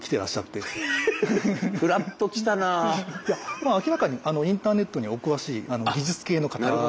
まあ明らかにインターネットにお詳しい技術系の方でしたね。